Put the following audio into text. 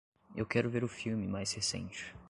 Eu quero ver o filme mais recente.